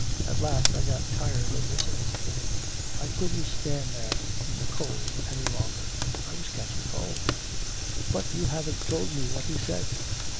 At last I got tired of listening to him I couldn't stand there in the cold any longer I was catching cold.' 'But you haven't told me what he said.'